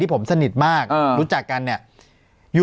ผมสนิทมากรู้จักกันเนี่ย